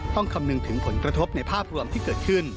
คำนึงถึงผลกระทบในภาพรวมที่เกิดขึ้น